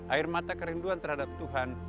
air mata kerinduan terhadap tuhan